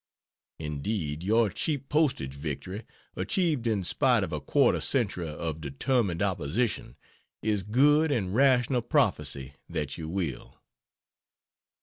Indeed your cheap postage victory, achieved in spite of a quarter century of determined opposition, is good and rational prophecy that you will.